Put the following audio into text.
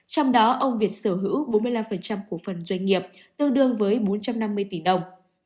trong đó ông việt sở hữu bốn mươi năm cổ phần doanh nghiệp tương đương với bốn trăm năm mươi tỷ đồng